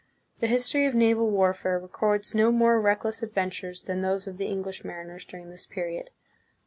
The history of naval warfare records no more reckless adventures than those of the English mariners during this period.